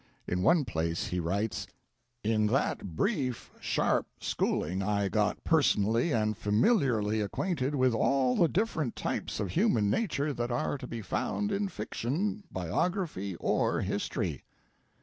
In one place he writes: In that brief, sharp schooling I got personally and familiarly acquainted with all the different types of human nature that are to be found in fiction, biography, or history.